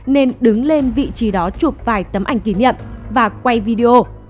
nên đứng lên vị trí đó chụp vài tấm ảnh kỷ niệm và quay video